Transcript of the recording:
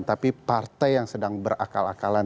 tapi partai yang sedang berakal akalan